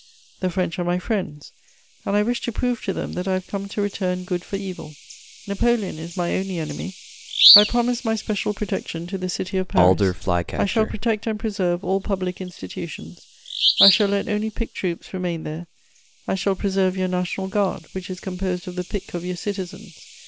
The French are my friends, and I wish to prove to them that I have come to return good for evil. Napoleon is my only enemy. I promise my special protection to the city of Paris; I shall protect and preserve all public institutions; I shall let only picked troops remain there; I shall preserve your National Guard, which is composed of the pick of your citizens.